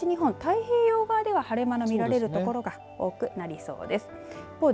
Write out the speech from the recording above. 西日本から東日本太平洋側では晴れ間の見られる所が多くなりそうです。